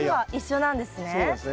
そうなんですね。